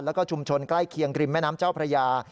แล้วก็ชุมชนใกล้เคียงริมแม่น้ำเจ้าพระยา